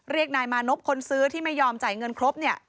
เรียกนายมานพคนซื้อที่ไม่ยอมจ่ายเงินครบเนี่ย